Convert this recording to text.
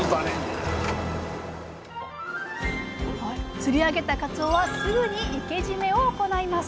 釣り上げたかつおはすぐに生け締めを行います。